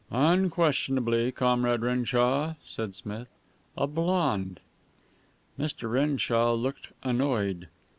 "Unquestionably, Comrade Renshaw," said Smith. "A blonde." Mr. Renshaw looked annoyed.